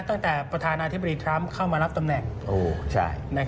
ประธานาธิบดีทรัมป์เข้ามารับตำแหน่ง